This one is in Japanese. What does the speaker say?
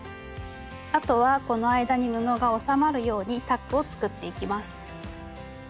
あとはこの間に布がおさまるようにタックを作っていきます。